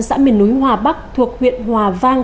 xã miền núi hòa bắc thuộc huyện hòa vang